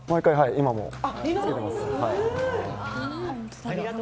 今も着けてます。